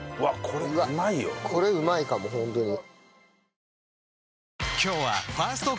これうまいかもホントに。